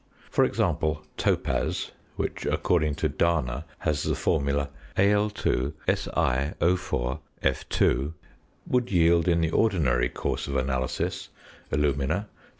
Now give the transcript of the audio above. For example, topaz, which, according to Dana, has the formula Al_SiO_F_, would yield in the ordinary course of analysis Alumina 55.